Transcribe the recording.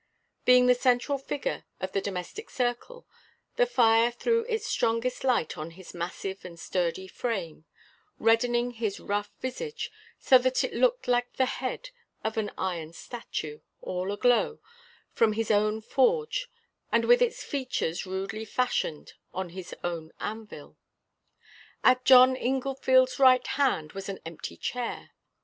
Being the central figure of the domestic circle, the fire threw its strongest light on his massive and sturdy frame, reddening his rough visage so that it looked like the head of an iron statue, all aglow, from his own forge, and with its features rudely fashioned on his own anvil. At John Inglefield's right hand was an empty chair.